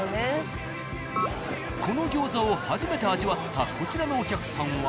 この餃子を初めて味わったこちらのお客さんは。